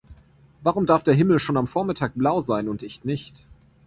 Warum darf der Himmel schon am Vormittag blau sein und ich nicht?